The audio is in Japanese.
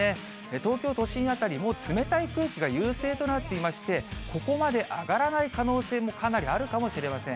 東京都心辺り、もう冷たい空気が優勢となっていまして、ここまで上がらない可能性もかなりあるかもしれません。